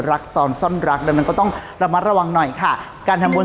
ซอนซ่อนรักดังนั้นก็ต้องระมัดระวังหน่อยค่ะการทำบุญ